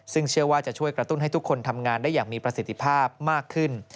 ซึ่งเชื่อว่าจะช่วยกระตุ้นให้ทุกคนทำงานได้อย่างมีประสิทธิภาพมากขึ้น